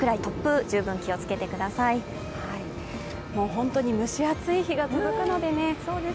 本当に蒸し暑い日が続くのでね。